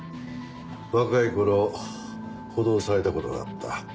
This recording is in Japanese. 若い頃補導された事があった。